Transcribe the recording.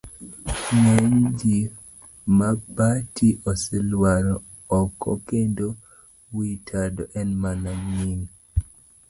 Ng'eny gi mabati osewalore oko kendo wi tado en mana nying.